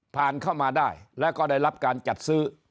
เข้ามาได้แล้วก็ได้รับการจัดซื้อ